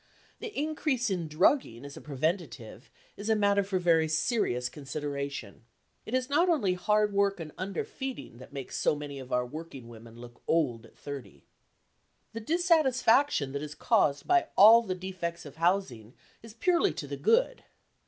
The increase in drugging as a preventive is a matter for very serious consideration. It is not only hard work and under feeding that makes so many of our working women look old at thirty. The dissatisfaction that is caused by all the defects of housing is purely to the good.